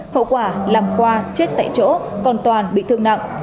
hậu quả làm khoa chết tại chỗ còn toàn bị thương nặng